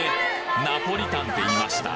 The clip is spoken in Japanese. ナポリタンって言いました？